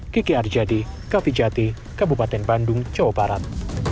kiki arjadi kavi jati kabupaten bandung jawa barat